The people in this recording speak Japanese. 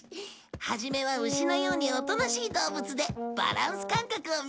初めは牛のようにおとなしい動物でバランス感覚を身につけよう。